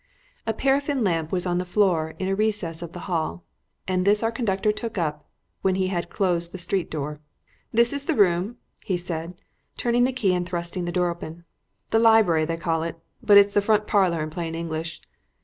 A paraffin lamp was on the floor in a recess of the hall, and this our conductor took up when he had closed the street door. "This is the room," he said, turning the key and thrusting the door open; "the library they call it, but it's the front parlour in plain English."